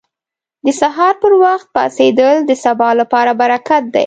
• د سهار پر وخت پاڅېدل د سبا لپاره برکت دی.